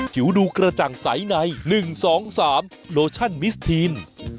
ผิวดูกระจ่างใสใน๑๒๓โลชั่นมิสทีน